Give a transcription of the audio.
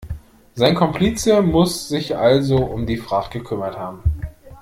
Sein Komplize muss sich also um die Fracht gekümmert haben.